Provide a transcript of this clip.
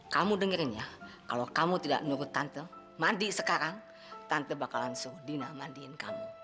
kamu dengerin ya kalau kamu tidak menurut tante mandi sekarang tante bakalan suruh dina mandiin kamu